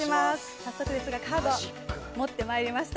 早速ですがカードを持ってまいりました。